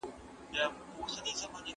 د کلتور هېرول لویه تېروتنه ده.